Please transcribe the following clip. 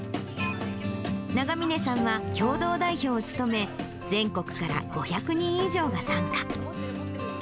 永峰さんは共同代表を務め、全国から５００人以上が参加。